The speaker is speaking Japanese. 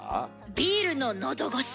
ビールののどごし。